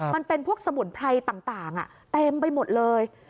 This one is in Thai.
มันเป็นพวกสมุนไพรต่างเต็มไปหมดเลย